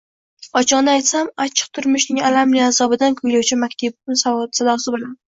Ochig’ini aytsam, achchiq turmushning alamli azobidan kuylovchi maktubim sadosi bilan